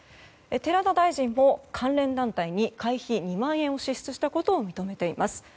寺田大臣も関連団体に会費２万円を支出したことを認めています。